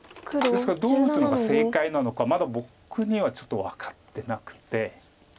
ですからどう打つのが正解なのかまだ僕にはちょっと分かってなくて。